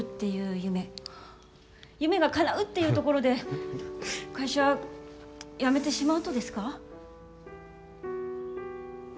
夢がかなうっていうところで会社辞めてしまうとですか。